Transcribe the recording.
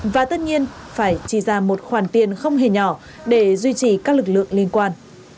và tất nhiên phải chi ra một khoản tiền không hề nhỏ để duy trì các lực lượng liên quan